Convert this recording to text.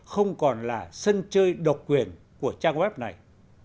không còn là sân chơi độc quyền của trang web này